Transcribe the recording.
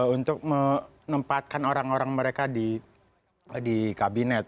untuk menempatkan orang orang mereka di kabinet